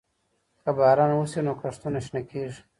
که باران وسي، نو کښتونه شنه کيږي.